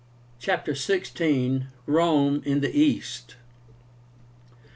CHAPTER XVI. ROME IN THE EAST.